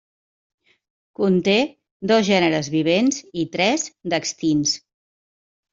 Conté dos gèneres vivents i tres d'extints.